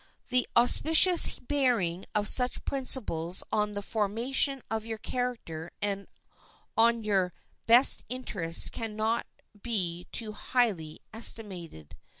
The auspicious bearing of such principles on the formation of your character and on your best interests can not be too highly estimated.